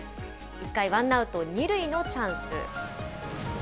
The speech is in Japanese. １回、ワンアウト２塁のチャンス。